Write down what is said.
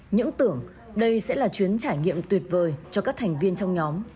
những tưởng đây sẽ là chuyến trải nghiệm tuyệt vời cho các thành viên trong nhóm